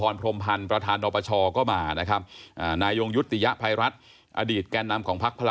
และมีแก่นนำนพคล